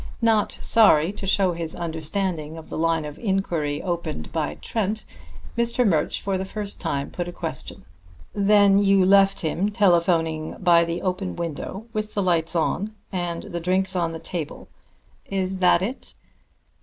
Not sorry to show his understanding of the line of inquiry opened by Trent, Mr. Murch for the first time put a question: "Then you left him telephoning by the open window, with the lights on, and the drinks on the table; is that it?"